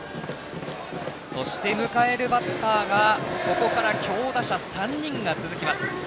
そして迎えるバッターがここから強打者３人が続きます。